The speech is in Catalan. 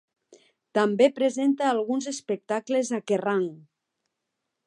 També presenta alguns espectacles a Kerrang!.